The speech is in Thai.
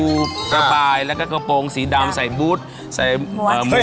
เฟ้ยกูบกะปายแล้วก็กระโปรงสีดำใส่บูธมวด